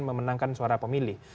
memenangkan suara pemilih